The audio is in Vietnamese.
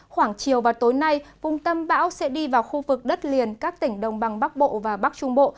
khoảng chiều và tối nay vùng tâm bão sẽ đi vào khu vực đất liền các tỉnh đồng bằng bắc bộ và bắc trung bộ